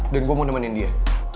gue mau nemenin dia